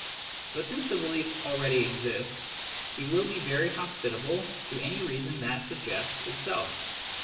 But since the belief already exists, he will be very hospitable , to any reason that suggests itself.